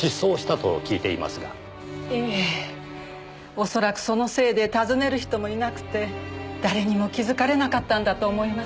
おそらくそのせいで訪ねる人もいなくて誰にも気づかれなかったんだと思います。